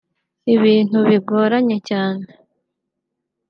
ibintu bigoranye cyane